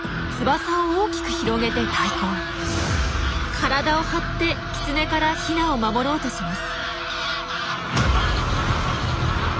体を張ってキツネからヒナを守ろうとします。